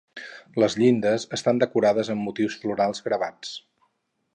Les llindes estan decorades amb motius florals gravats.